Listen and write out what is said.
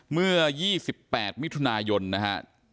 เมื่อ๒๘มิถุนายนนะฮะ